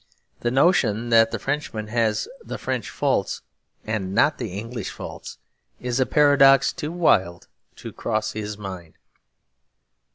The notion that the Frenchman has the French faults and not the English faults is a paradox too wild to cross his mind.